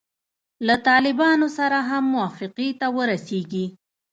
له طالبانو سره هم موافقې ته ورسیږي.